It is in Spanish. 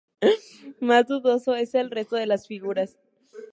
Más dudoso es el resto de las figuras.